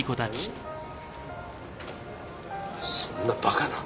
そんなバカな。